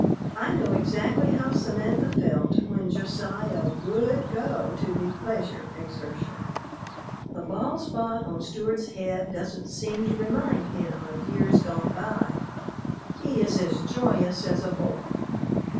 I know exactly how Samantha felt when Josiah would go to the "pleasure exertion." The bald spot on the Stewart's head doesn't seem to remind him of years gone by; he is as joyous as a boy.